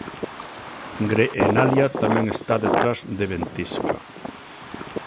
Greenalia tamén está detrás de Ventisca.